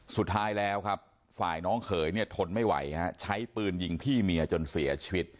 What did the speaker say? สุดท้ายแล้วครับฝ่ายน้องเขยเนี่ยทนไม่ไหวฮะใช้ปืนยิงพี่เมียจนเสียชีวิต